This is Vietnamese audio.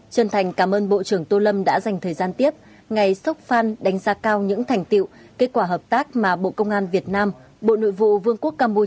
chân thành cảm ơn bộ trưởng tô lâm đã dành thời gian tiếp ngày sốc phan đánh giá cao những thành tiệu kết quả hợp tác mà bộ công an việt nam bộ nội vụ vương quốc campuchia